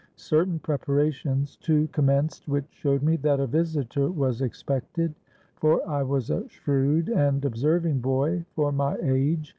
Certain preparations, too, commenced, which showed me that a visitor was expected; for I was a shrewd and observing boy for my age.